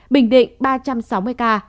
bình định ba trăm sáu mươi ca